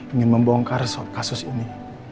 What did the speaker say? ingin membongkar kasus ini